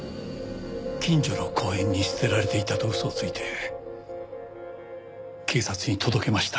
近所の公園に捨てられていたと嘘をついて警察に届けました。